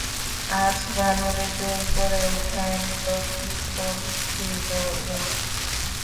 আজ ভানুরে জোর করে উঠায় নিলো, কি করছিলো ও?